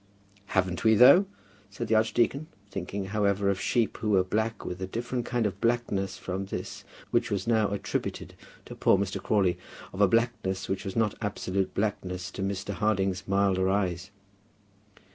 "Haven't we though?" said the archdeacon, thinking, however, of sheep who were black with a different kind of blackness from this which was now attributed to poor Mr. Crawley, of a blackness which was not absolute blackness to Mr. Harding's milder eyes.